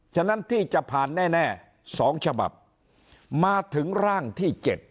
ฉะนั้นที่จะผ่านแน่๒ฉบับมาถึงร่างที่๗